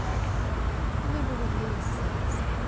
Shh h hl Remember what Louis says.